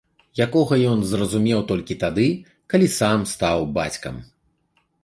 Якога ён зразумеў толькі тады, калі сам стаў бацькам.